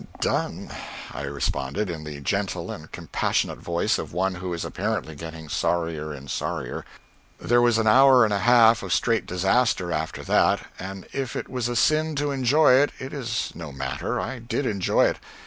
"Done," I responded, in the gentle and compassionate voice of one who is apparently getting sorrier and sorrier. There was an hour and a half of straight disaster after that, and if it was a sin to enjoy it, it is no matter I did enjoy it.